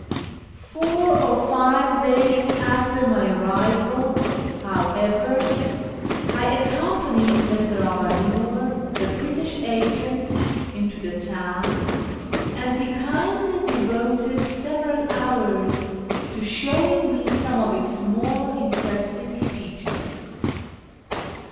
Four or five days after my arrival, however, I accompanied Mr. Aghanor, the British agent, into the town, and he kindly devoted several hours to showing me some of its more interestino features.